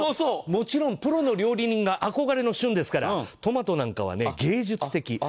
もちろんプロの料理人が憧れの旬ですからトマトなんかは芸術的。